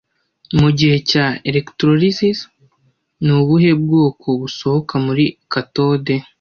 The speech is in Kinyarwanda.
Mugihe cya electrolysis, ni ubuhe bwoko busohoka muri cathode